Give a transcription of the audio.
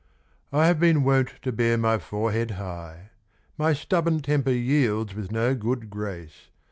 I. I have been wont to bear my forehead high My stubborn temper yields with no good grace.